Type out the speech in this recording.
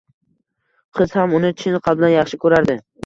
Qiz ham uni chin qalbdan yaxshi koʻrardi.